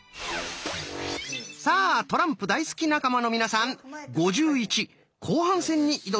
さあトランプ大好き仲間の皆さん「５１」後半戦に挑みます。